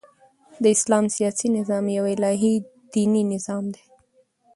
د اسلام سیاسي نظام یو الهي دیني نظام دئ.